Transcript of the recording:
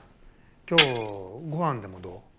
今日ご飯でもどう？